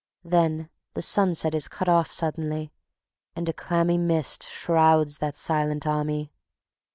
Then the sunset is cut off suddenly, and a clammy mist shrouds that silent army.